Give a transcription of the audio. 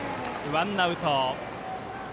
ワンアウト。